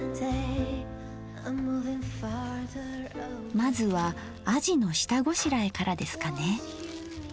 まずはあじの下ごしらえからですかね。